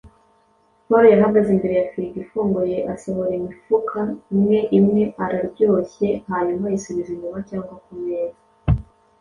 Paul yahagaze imbere ya firigo ifunguye, asohora imifuka imwe imwe, araryoshye, hanyuma ayisubiza inyuma cyangwa kumeza.